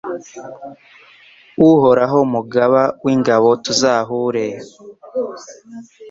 Uhoraho Mugaba w’ingabo tuzahure